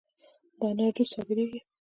د انارو جوس صادریږي؟